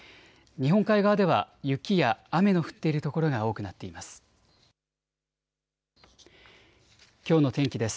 日本海側では雪や雨の降っている所が多くなっています。